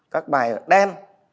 các bài đen